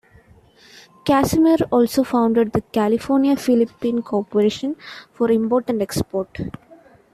Casimir also founded the California Philippine Corporation for import and export.